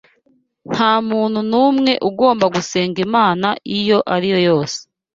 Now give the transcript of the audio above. nta muntu n’umwe ugomba gusenga imana iyo ari yo yose